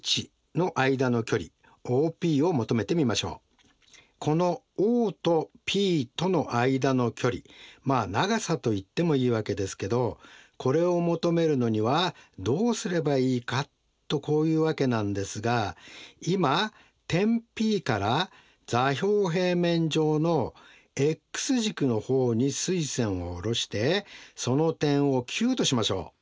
それでは次はこのＯとＰとの間の距離まあ長さといってもいいわけですけどこれを求めるのにはどうすればいいかとこういうわけなんですが今点Ｐから座標平面上のｘ軸の方に垂線を下ろしてその点をＱとしましょう。